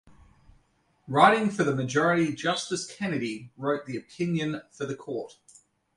Writing for the majority, Justice Kennedy wrote the opinion for the Court.